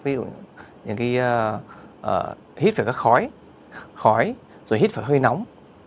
ví dụ như hít phải khói hít phải hơi nóng